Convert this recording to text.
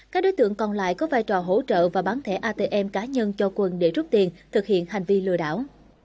các đối tượng còn lại có vai trò hỗ trợ và bán thẻ atm cá nhân cho quân để rút tiền thực hiện hành vi lừa đảo